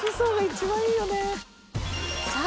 さあ